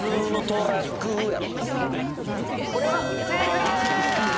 これは正解です！